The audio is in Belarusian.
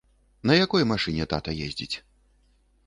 На якой машыне тата ездзіць?